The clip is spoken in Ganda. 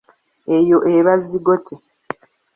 Eyo eba zigote.